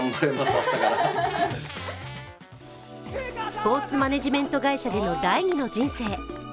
スポーツマネジメント会社での第二の人生。